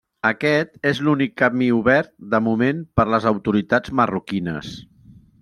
Aquest és l'únic camí obert de moment per les autoritats marroquines.